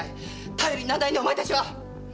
頼りになんないねお前たちは！